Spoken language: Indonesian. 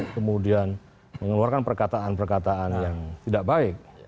kemudian mengeluarkan perkataan perkataan yang tidak baik